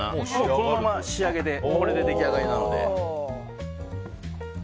このまま仕上げでこれで出来上がりなので。